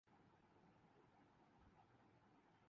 گڈریا چوپایوں کو ہانکتا ہوا اپنے ٹھکانے کی طرف جا رہا تھا۔